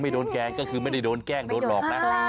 โดนแกล้งก็คือไม่ได้โดนแกล้งโดนหลอกนะ